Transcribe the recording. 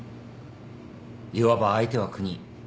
いわば相手は国。